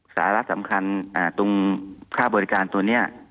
สาระสำคัญตรงค่าบริการตัวนี้